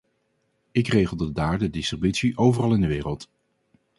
Ik regelde daar de distributie overal in de wereld.